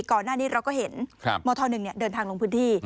ก่อนหน้านี้เราก็เห็นมธ๑เดินทางลงพื้นที่